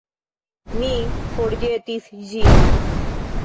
Mi forĵetis ĝin...